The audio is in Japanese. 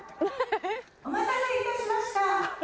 お待たせいたしました。